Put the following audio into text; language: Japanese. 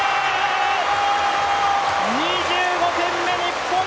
２５点目、日本！